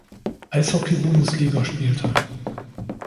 Eishockey-Bundesliga spielte.